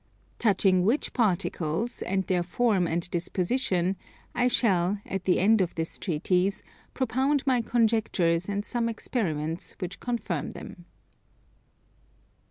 Touching which particles, and their form and disposition, I shall, at the end of this Treatise, propound my conjectures and some experiments which confirm them.